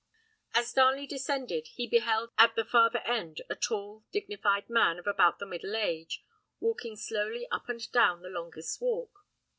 As Darnley descended, he beheld at the farther end a tall, dignified man, of about the middle age, walking slowly up and down the longest walk.